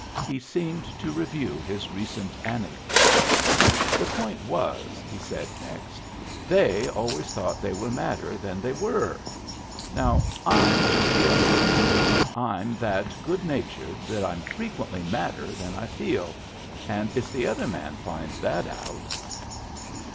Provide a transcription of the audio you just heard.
He seemed to review his recent anec dote. " The point was," he said next, " they always thought they were madder than they were. Now I'm just the other way. I'm that good natured that I'm frequently madder than I fed — and it's the other man finds that out!"